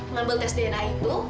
ngambil tes dna itu